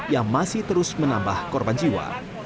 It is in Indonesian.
yang masih terus menambah korban jiwa